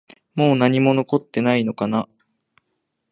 もう何も残っていないのかな？